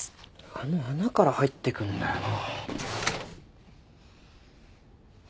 あの穴から入ってくんだよな。